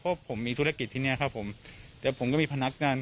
เพราะผมมีธุรกิจที่เนี้ยครับผมแต่ผมก็มีพนักงาน